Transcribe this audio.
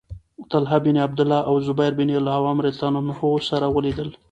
طلحة بن عبد الله او الزبير بن العوام رضي الله عنهما سره ولیدل